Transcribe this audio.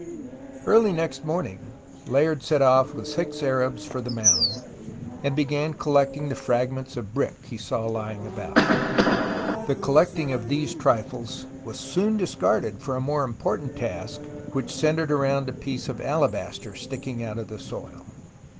Early next morning Layard set off with six Arabs for the mound, and began collecting the fragments of brick he saw lying about. The collecting of these trifles was soon discarded for a more important task which centred round a piece of alabaster sticking out of the soil.